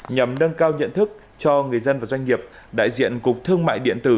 nhằm nâng cao nhận thức cho người dân và doanh nghiệp đại diện cục thương mại điện tử